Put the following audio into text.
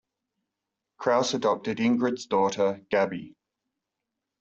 Kraus adopted Ingrid's daughter Gaby.